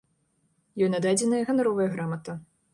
Ёй нададзеная ганаровая грамата.